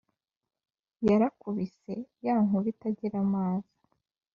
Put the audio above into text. Yarakubise ya nkuba itagira amazi